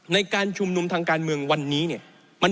ในการชุมนุมทางการเมืองวันนี้เนี่ย